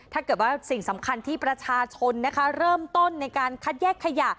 ถ้าเกิดว่าสิ่งสำคัญที่ประชาชนเริ่มต้นในการคัดแยกขยะ